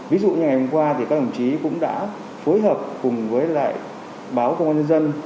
ví dụ như ngày hôm qua thì các đồng chí cũng đã phối hợp cùng với lại báo công an nhân dân